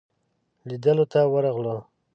لیدلو ته ورغلو.